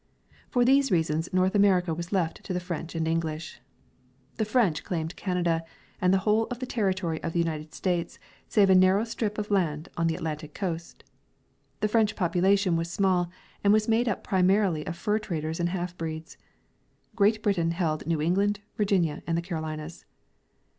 For these reasons North America was left to the French and English. The French claimed Canada and the whole of the territory of the United States save a narrow strip of land on the Atlantic coast. The French jjopulation Avas small and was jnade up principally of fur traders and half breeds ; Great Britain held New England, Virginia and the Carolinas.